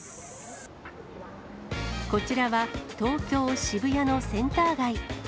こちらは、東京・渋谷のセンター街。